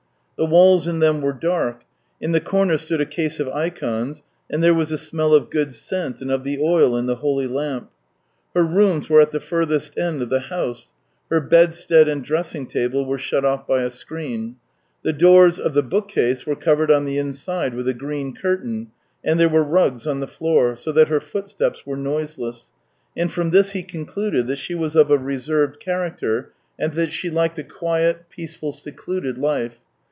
The walls in them were dark; in the corner stood a case of 212 THE TALES OF TCHEHOV ikons; and there was a smell of good scent and of the oil in the holy lamp. Her rooms were at the furthest end of the house; her bedstead and dressing table were shut off b\' a screen. The doors of the bookcase were covered on the inside with a green curtain, and there were rugs on the floor, so that her footsteps were noiseless — and from this he concluded that she was of a reserved character, and that she liked a quiet, peaceful, secluded life.